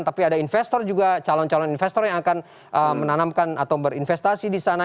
tapi ada investor juga calon calon investor yang akan menanamkan atau berinvestasi di sana